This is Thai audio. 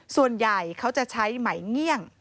ส่วนใหญ่เขาจะใช้ไหมเงี่ยง